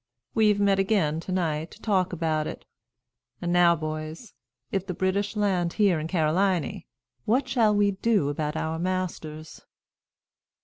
We've met again to night to talk about it. An' now, boys, if the British land here in Caroliny, what shall we do about our masters?"